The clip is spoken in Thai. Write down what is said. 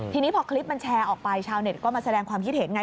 ทีนี้พอคลิปมันแชร์ออกไปชาวเน็ตก็มาแสดงความคิดเห็นไง